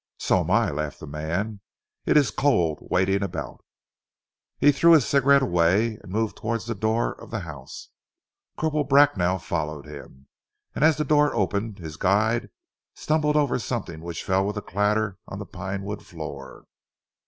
"So am I," laughed the man; "it is cold waiting about." He threw his cigarette away, and moved towards the door of the house. Corporal Bracknell followed him, and as the door opened his guide stumbled over something which fell with a clatter on the pinewood floor.